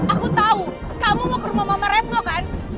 aku tahu kamu mau ke rumah mama retno kan